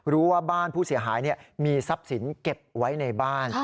รู้ว่าบ้านผู้เสียหายมีทรัพย์สินเก็บไว้ในบ้าน